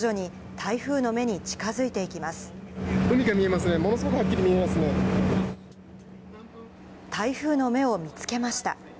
台風の目を見つけました。